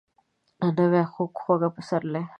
یو نوی خوږ. خوږ پسرلی ،